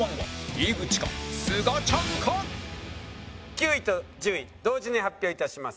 ９位と１０位同時に発表いたします。